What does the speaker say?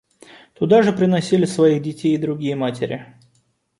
Туда же приносили своих детей и другие матери.